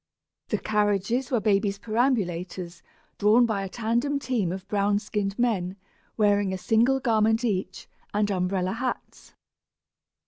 The carriages were babies' perambulators, drawn by a tandem team of brown skinned men, wearing a single garment each, and umbrella hats.